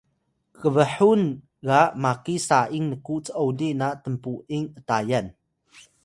kbhun ga maki sa’ing nku c’oli na tnpu’ing atayan